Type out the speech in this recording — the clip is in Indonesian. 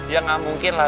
ya gak mungkin lah